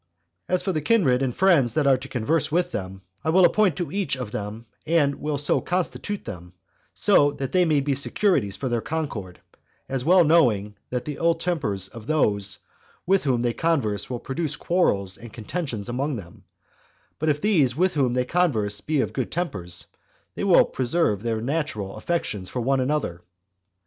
As for the kindred and friends that are to converse with them, I will appoint them to each of them, and will so constitute them, that they may be securities for their concord; as well knowing that the ill tempers of those with whom they converse will produce quarrels and contentions among them; but that if these with whom they converse be of good tempers, they will preserve their natural affections for one another.